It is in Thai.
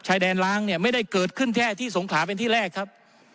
ชายแดนล้างเนี่ยไม่ได้เกิดขึ้นแค่ที่สงขลาเป็นที่แรกครับ